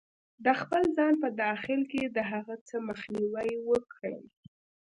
-د خپل ځان په داخل کې د هغه څه مخنیوی وکړئ